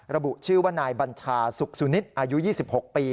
ระบุชื่อว่านายบัญชาสุขสุนิทอายุ๒๖ปี